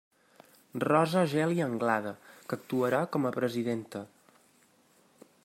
Rosa Geli Anglada, que actuarà com a presidenta.